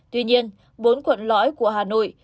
tuy nhiên bốn quận lõi của hà nội